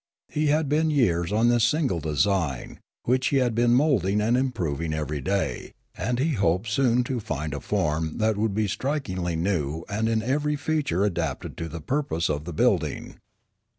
He had been years on this single design, which he had been moulding and improving every day; and he hoped soon to find a form that would be strikingly new and in every feature adapted to the purpose of the building.